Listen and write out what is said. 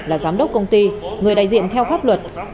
là giám đốc công ty người đại diện theo pháp luật